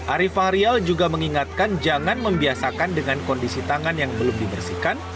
arifah rial juga mengingatkan jangan membiasakan dengan kondisi tangan yang belum dibersihkan